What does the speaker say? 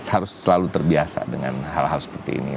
harus selalu terbiasa dengan hal hal seperti ini